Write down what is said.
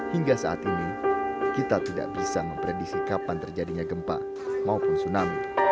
hingga saat ini kita tidak bisa memprediksi kapan terjadinya gempa maupun tsunami